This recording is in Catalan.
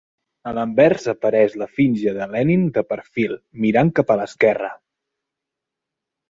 A l'anvers apareix l'efígie de Lenin de perfil, mirant cap a l'esquerra.